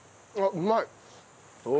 うまい。